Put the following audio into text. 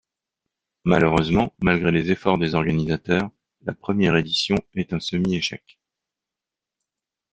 Malheureusement, malgré les efforts des organisateurs, la première édition est un semi-échec.